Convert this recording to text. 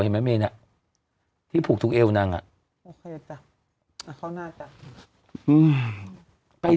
เห็นไหมเมนอ่ะที่ผูกทุกเอวนั่งอ่ะโอเคจ้ะเอาข้างหน้าจ้ะอืมไป